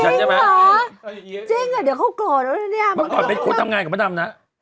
จริงแล้ววันนี้คนก็ถึงเอารูปมาลงกันอะไปดูกัน